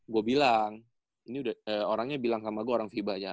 gua bilang ini udah orangnya bilang sama gua orang vibanya